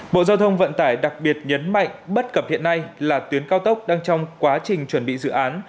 bộ giao thông vận tải đặc biệt nhấn mạnh bất cập hiện nay là tuyến cao tốc đang trong quá trình chuẩn bị dự án